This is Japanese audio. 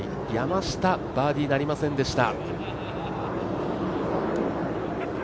バーディーになりませんでした。